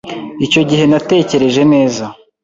Icyo gihe natekereje neza.